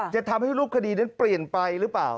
จะทำให้รูปคดีนั้นเปลี่ยนไปหรือเปล่า